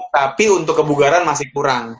tapi untuk kebugaran masih kurang